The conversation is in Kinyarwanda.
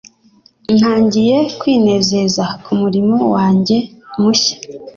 Ntangiye kwinezeza kumurimo wanjye mushya.